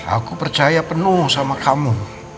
aku percaya penuh sama kamu